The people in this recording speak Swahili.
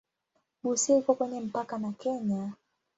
Busia iko kwenye mpaka na Kenya.